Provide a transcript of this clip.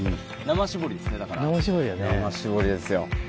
生絞りですよ。